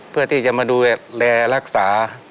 เพื่อที่จะมาดูแลรักษา